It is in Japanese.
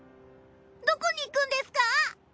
どこに行くんですか？